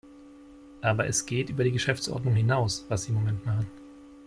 Aber es geht über die Geschäftsordnung hinaus, was Sie im Moment machen.